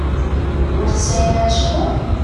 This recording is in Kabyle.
Ur tesɛim ara ccɣel?